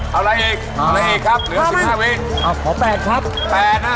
เอาไว้อีกรับอีกครับเหลือ๑๕วิพี